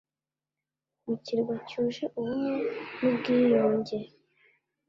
Mu kirwa cyuje ubumwe nubwiyunge